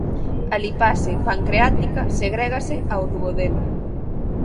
A lipase pancreática segrégase ao duodeno.